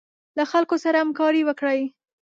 له خلکو سره همکاري وکړئ.